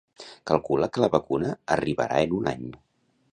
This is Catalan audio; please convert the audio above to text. Calcula que la vacuna arribarà en un any.